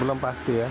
belum pasti ya